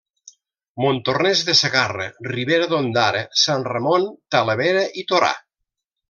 Montornès de Segarra, Ribera d'Ondara, Sant Ramon, Talavera i Torà.